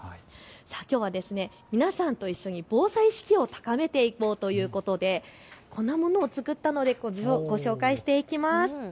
きょうは皆さんと一緒に防災意識を高めていこうということでこんなものを作ったのでご紹介していきます。